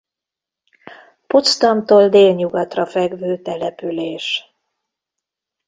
Potsdamtól délnyugatra fekvő település.